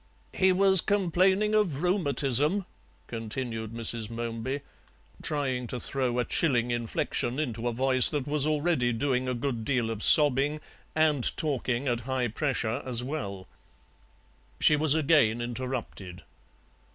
"He was complaining of rheumatism," continued Mrs. Momeby, trying to throw a chilling inflection into a voice that was already doing a good deal of sobbing and talking at high pressure as well. She was again interrupted.